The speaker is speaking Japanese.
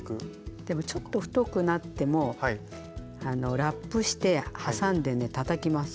でもちょっと太くなってもラップしてはさんでねたたきます。